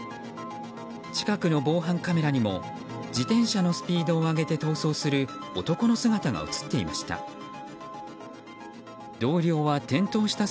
近くの防犯カメラにも自転車のスピードを上げて逃走する男の姿が映っていました。